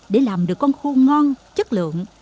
để làm được con khô ngon chất lượng